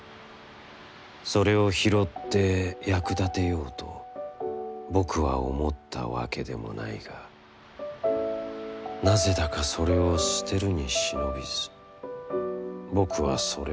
それを拾って、役立てようと僕は思ったわけでもないがなぜだかそれを捨てるに忍びず僕はそれを、袂に入れた。